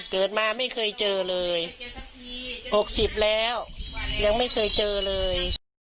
เกิดมาไม่เคยเจอเลย๖๐แล้วยังไม่เคยเจอเลย